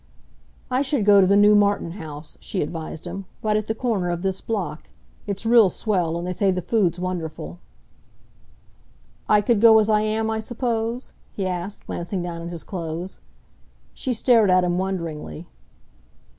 "I should go to the New Martin House," she advised him, "right at the corner of this block. It's real swell, and they say the food's wonderful." "I could go as I am, I suppose?" he asked, glancing down at his clothes. She stared at him wonderingly.